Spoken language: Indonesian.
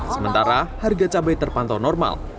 sementara harga cabai terpantau normal